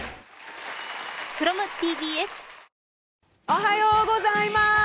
おはようございます！